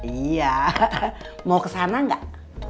iya mau kesana gak